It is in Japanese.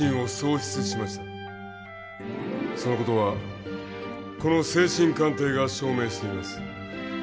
その事はこの精神鑑定が証明しています。